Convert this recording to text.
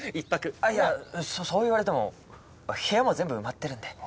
あっいやそう言われても部屋も全部埋まってるんで。